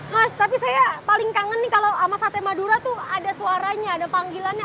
mas tapi saya paling kangen nih kalau sama sate madura tuh ada suaranya ada panggilannya